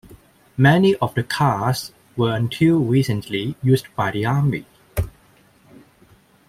Many of the cars were until recently used by the army.